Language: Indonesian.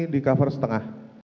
di cover setengah